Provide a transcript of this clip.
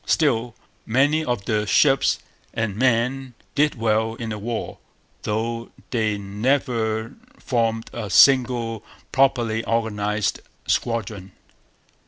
Still, many of the ships and men did well in the war, though they never formed a single properly organized squadron.